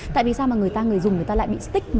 tại vì sao người ta người dùng lại bị stick